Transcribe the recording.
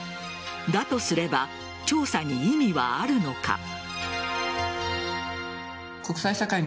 だとすれば調査に意味はあるのか。